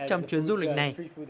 trong chuyến du lịch này